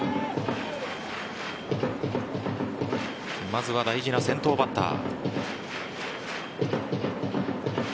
まずは大事な先頭バッター。